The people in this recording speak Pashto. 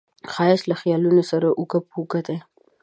ښایست له خیالونو سره اوږه په اوږه دی